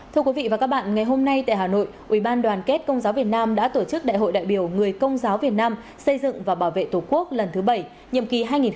thưa quý vị và các bạn ngày hôm nay tại hà nội ủy ban đoàn kết công giáo việt nam đã tổ chức đại hội đại biểu người công giáo việt nam xây dựng và bảo vệ tổ quốc lần thứ bảy nhiệm kỳ hai nghìn một mươi tám hai nghìn hai mươi ba